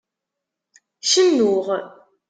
Cennuɣ.